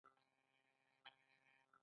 د دیوبند علماوو ډېر ژر خپل نفوذ وکړ.